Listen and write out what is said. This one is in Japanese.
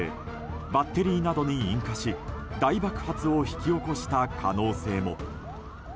バッテリーなどに引火し大爆発を引き起こした可能性も。